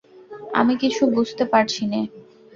আমি কিছু বুঝতে পারছি নে।